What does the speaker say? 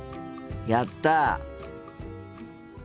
やった！